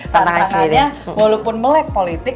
tantangannya walaupun melek politik